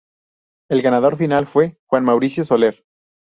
El ganador final fue Juan Mauricio Soler.